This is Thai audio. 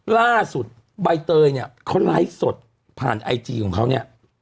ใบเตยเนี่ยเขาไลฟ์สดผ่านไอจีของเขาเนี่ย